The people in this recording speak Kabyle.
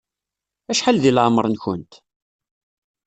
Acḥal di lɛemeṛ-nkent?